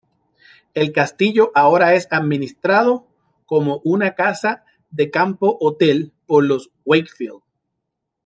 El castillo ahora es administrado como una casa de campo-hotel por los Wakefield.